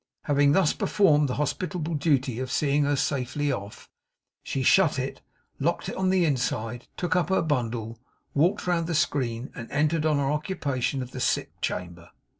Having thus performed the hospitable duty of seeing her safely off, she shut it, locked it on the inside, took up her bundle, walked round the screen, and entered on her occupation of the sick chamber.